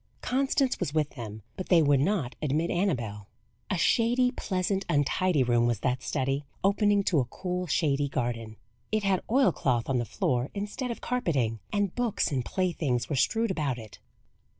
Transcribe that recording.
Constance was with them, but they would not admit Annabel. A shady, pleasant, untidy room was that study, opening to a cool, shady garden. It had oil cloth on the floor instead of carpeting, and books and playthings were strewed about it.